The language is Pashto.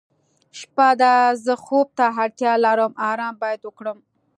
شپه ده زه خوب ته اړتیا لرم آرام باید وکړم.